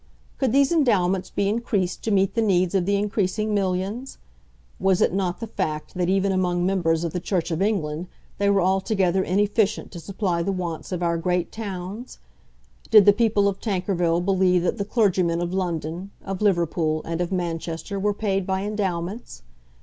Could these endowments be increased to meet the needs of the increasing millions? Was it not the fact that even among members of the Church of England they were altogether inefficient to supply the wants of our great towns? Did the people of Tankerville believe that the clergymen of London, of Liverpool, and of Manchester were paid by endowments?